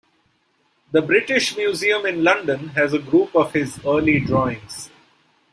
The British Museum in London has a group of his early drawings.